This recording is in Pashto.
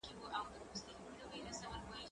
که وخت وي، موبایل کاروم!؟